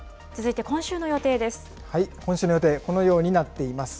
今週の予定、このようになっています。